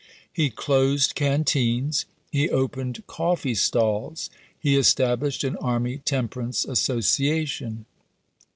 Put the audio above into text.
He closed canteens. He opened coffee stalls. He established an Army Temperance Association.